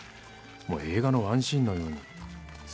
もう映画のワンシーンのように。